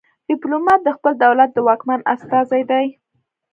ډیپلومات د خپل دولت د واکمن استازی دی